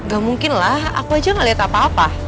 gak mungkin lah aku aja gak lihat apa apa